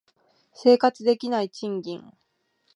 生活できない賃金